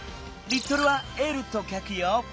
リットルは「Ｌ」とかくよ。